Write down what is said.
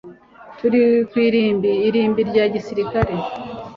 turi ku irimbi. irimbi rya gisirikare